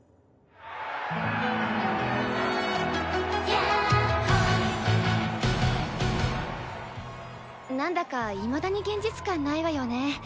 ヤッホーなんだかいまだに現実感ないわよね。